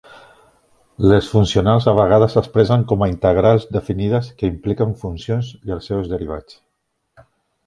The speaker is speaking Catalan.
Les funcionals a vegades s'expressen com a integrals definides que impliquen funcions i els seus derivats.